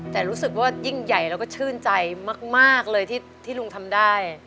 แต่รู้สึกว่ายิ่งใหญ่แล้วก็ชื่นใจมากเลยที่ลุงทำได้